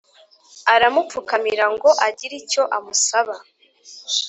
aramupfukamira ngo agire icyo amusaba